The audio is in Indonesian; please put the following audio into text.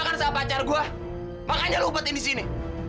pasal pacar gue makanya lu buat ini sini